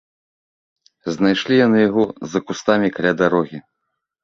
Знайшлі яны яго за кустамі каля дарогі.